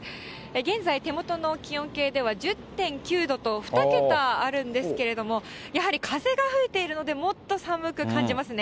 現在、手元の気温計では１０．９度と、２桁あるんですけれども、やはり風が吹いているので、もっと寒く感じますね。